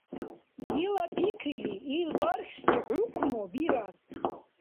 Дила пикрили, ил бархьси хӀукму бирар…